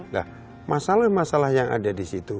nah masalah masalah yang ada di situ